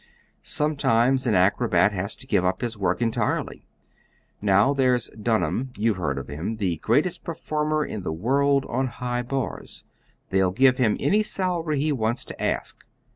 Sometimes an acrobat has to give up his work entirely. Now, there's Dunham, you've heard of him, the greatest performer in the world on high bars. They'll give him any salary he wants to ask.